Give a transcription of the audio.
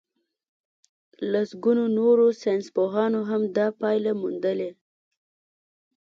لسګونو نورو ساينسپوهانو هم دا پايله موندلې.